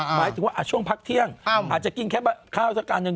หมายถึงว่าช่วงพักเที่ยงอาจจะกินแค่ข้าวสักการหนึ่ง